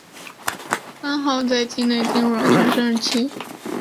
三好在畿内进入了全盛期。